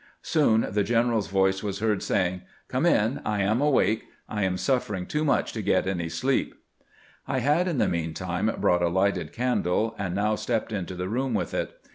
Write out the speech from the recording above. Soon the general's voice was heard saying :" Come in ; I am awake. I am suffering too much to get any sleep." I had in the mean time brought a lighted candle, and now stepped into the room with it.